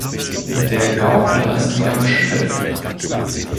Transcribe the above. Der Gaukler ist wieder am Schütteln.